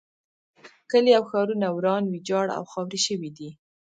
کلي او ښارونه وران ویجاړ او خاورې شوي دي.